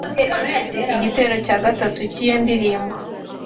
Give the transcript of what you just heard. Igitero cya gatatu cy’iyo ndirimbo